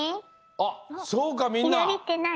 あっそうかみんな。